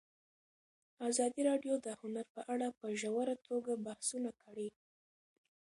ازادي راډیو د هنر په اړه په ژوره توګه بحثونه کړي.